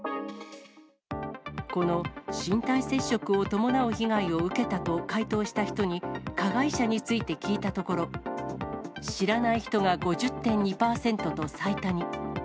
この身体接触を伴う被害を受けたと回答した人に、加害者について聞いたところ、知らない人が５０．２％と最多に。